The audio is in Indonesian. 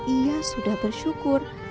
ia sudah bersyukur